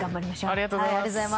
ありがとうございます。